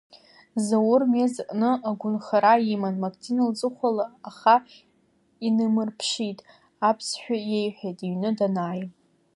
Заур Мез иҟны агәынхара иман Мактина лҵыхәала, аха инимырԥшит, аԥсшәа иеиҳәеит, иҩны данааи.